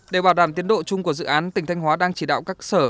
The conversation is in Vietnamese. để bảo đảm tiến độ chung của dự án tỉnh thanh hóa đang chỉ đạo các sở